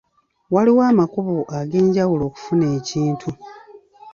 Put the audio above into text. Waliwo amakubo ag'enjawulo okufuna ekintu.